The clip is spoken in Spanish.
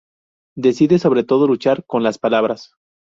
Decide, sobre todo, luchar con las palabras.